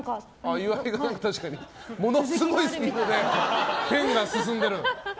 岩井がものすごいスピードでペンが進んでる。